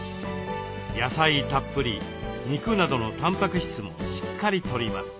野菜たっぷり肉などのタンパク質もしっかりとります。